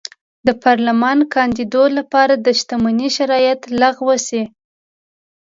د پارلمان کاندېدو لپاره د شتمنۍ شرایط لغوه شي.